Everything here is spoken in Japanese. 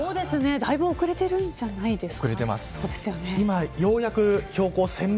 だいぶ遅れてるんじゃないですか。